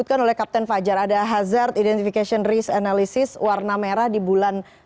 pak syarif silakan